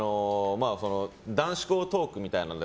男子校トークみたいなので。